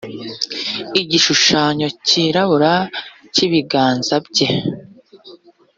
igishushanyo cyirabura cy’ibiganza bye